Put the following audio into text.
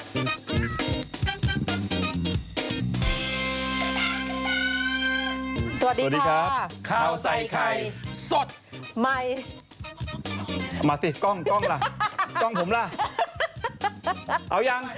สวัสดีครับข้าวใส่ไข่สดใหม่มาสิกล้องกล้องล่ะกล้องผมล่ะเอายัง